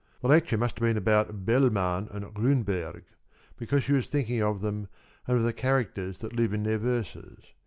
The lecture must have been about Bellman and Runeberg, because she was thinking of them and of the characters that live in their verses.